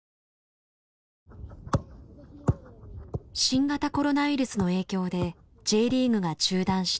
新型コロナウイルスの影響でＪリーグが中断した３月。